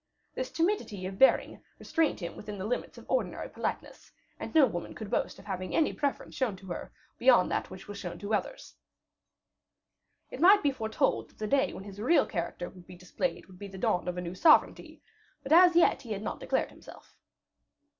This timidity of bearing restrained him within the limits of ordinary politeness, and no woman could boast of having any preference shown her beyond that shown to others. It might be foretold that the day when his real character would be displayed would be the dawn of a new sovereignty; but as yet he had not declared himself.